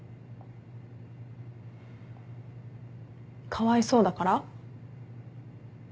かわいそうだから？